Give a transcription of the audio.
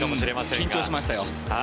緊張しましたよ。